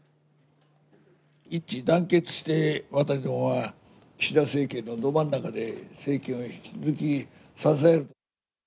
一致団結して、私どもは岸田政権のど真ん中で政権を引き続き支える。